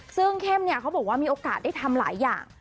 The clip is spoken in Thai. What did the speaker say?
ซึ่งเข้มเนี่ยเขาบอกว่ามีโอกาสได้ทำหลายอย่าง